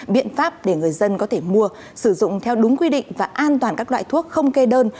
biện pháp để người dân có thể mua sử dụng theo đúng quy định và an toàn các loại thuốc không kê đơn